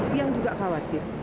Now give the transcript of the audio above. pian juga khawatir